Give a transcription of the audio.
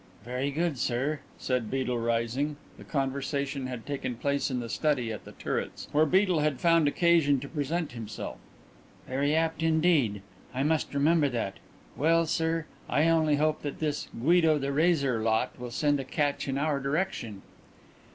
"Very good, sir," said Mr Beedel, rising the conversation had taken place in the study at The Turrets, where Beedel had found occasion to present himself "very apt indeed. I must remember that. Well, sir, I only hope that this 'Guido the Razor' lot will send a catch in our direction."